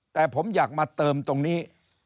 แต่ผมอยากมาเติมตรงนี้